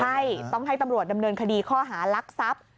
ใช่ต้องให้ตำรวจดำเนินคดีข้อหารักทรัพย์